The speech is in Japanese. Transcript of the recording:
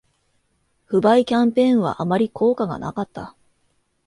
不買キャンペーンはあまり効果がなかった